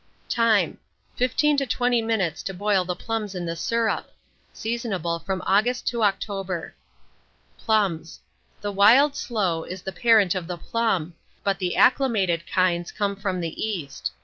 Time. 15 to 20 minutes to boil the plums in the syrup. Seasonable from August to October. PLUMS. The wild sloe is the parent of the plum, but the acclimated kinds come from the East.